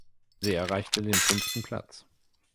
Sie erreichte den fünften Platz.